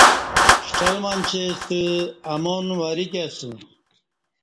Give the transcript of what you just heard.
ݜٹلہ منچی ستہ امان وریک اسہ